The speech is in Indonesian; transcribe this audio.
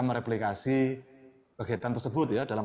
mereplikasi kegiatan tersebut ya dalam